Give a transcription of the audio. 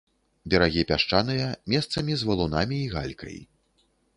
Берагі пясчаныя, месцамі з валунамі і галькай.